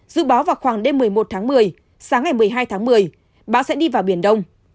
dự báo vào khoảng đêm một mươi một tháng một mươi sáng ngày một mươi hai tháng một mươi bão sẽ đi vào biển đông